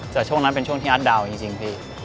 แต่ช่วงนั้นเป็นช่วงที่อัดเดาจริงพี่